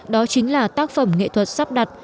đó chính là tác phẩm nghệ thuật sắp đặt